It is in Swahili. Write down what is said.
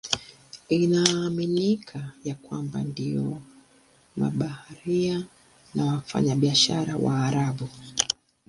Inaaminika ya kwamba ndio mabaharia na wafanyabiashara Waarabu.